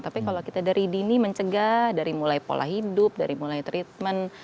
tapi kalau kita dari dini mencegah dari mulai pola hidup dari mulai treatment